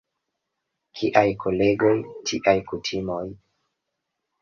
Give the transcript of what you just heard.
Kiaj kolegoj, tiaj kutimoj.